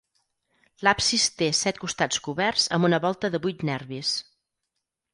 L'absis té set costats coberts amb una volta de vuit nervis.